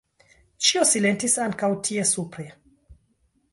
Ĉio silentis ankaŭ tie supre.